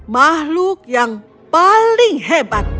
mahluk yang paling hebat